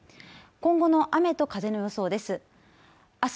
今後の雨と風の予想です